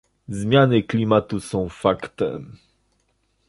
Zmiany klimatu są faktem